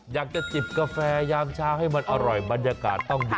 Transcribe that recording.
อยากจะกิบกาแฟย้ามชาให้มันอร่อยบรรยากาศต้องได้